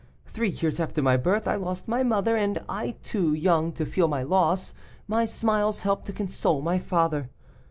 Three years after my birth I lost my mother, and, too young to feel my loss, my smiles helped to console my father.